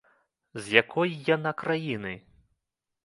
З якой яна краіны?